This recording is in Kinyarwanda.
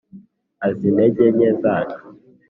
Az’intege nke zacu